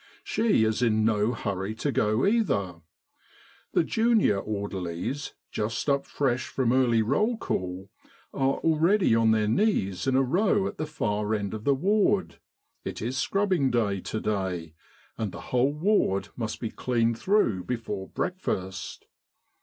She is in no hurry to go either. The junior orderlies, just up fresh from early roll call, are already on their knees in a row at the far end of the ward it is scrubbing day to day, and the whole ward must be cleaned through before breakfast.